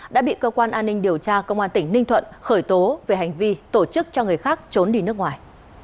đã bị cơ quan an ninh điều tra công an tp hcm khởi tố về hành vi tổ chức cho người khác trốn đi nước ngoài